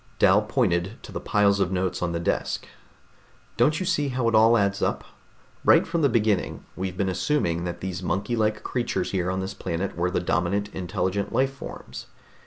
Dal pointed to the piles of notes on the desk. "Don't you see how it adds up? Right from the beginning we've been assuming that these monkey like creatures here on this planet were the dominant, intelligent life forms.